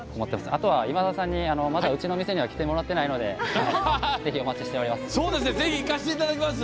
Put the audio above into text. あとは今田さんにまだうちの店には来てもらってないのでぜひお待ちしています。